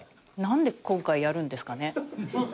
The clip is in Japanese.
なんで今回やるんですかね？